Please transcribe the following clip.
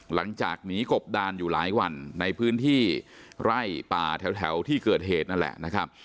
หลังจากหนีกบดานอยู่หลายวันในพื้นที่ไร่ป่าแถวที่เกิดเหตุนั่นแหละนะครับ